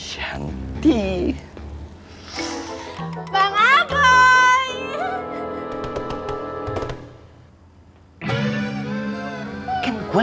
ini masalah mulu